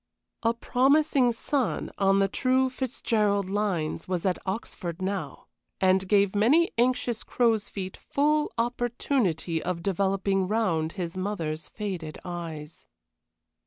A promising son, on the true Fitzgerald lines, was at Oxford now, and gave many anxious crows' feet full opportunity of developing round his mother's faded eyes.